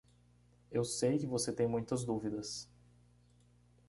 Eu sei que você tem muitas dúvidas.